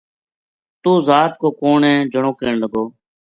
توہ ذات کو کون ہے جنو کہن لگو